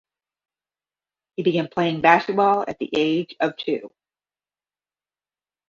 He began playing basketball at the age of two.